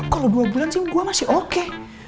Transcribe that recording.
kalo dua bulan sih gue masih oke